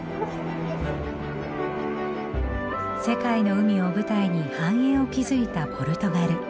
世界の海を舞台に繁栄を築いたポルトガル。